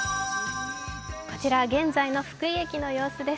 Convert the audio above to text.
こちら現在の福井駅の様子です。